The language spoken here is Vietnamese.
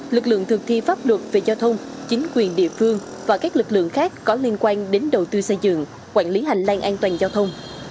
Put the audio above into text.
lực lượng thực thi pháp luật về giao thông chính quyền địa phương và các lực lượng khác có liên quan đến đầu tư xây dựng quản lý hành lang an toàn giao thông